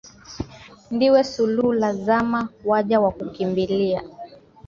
Ndiwe suluhu la zama, waja wakukimbilia,